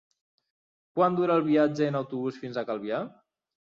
Quant dura el viatge en autobús fins a Calvià?